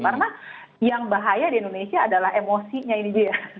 karena yang bahaya di indonesia adalah emosinya ini dia